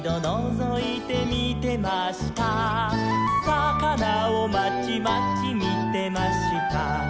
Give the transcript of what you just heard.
「さかなをまちまちみてました」